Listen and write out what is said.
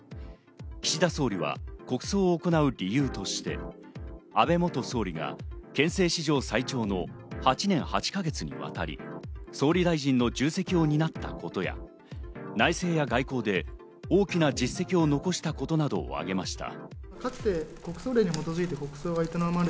岸田総理は国葬を行う理由として、安倍元総理が憲政史上最長の８年８か月にわたり総理大臣の重責を担ったことや、内政や外交で大きな実績を残したことなどを挙げました。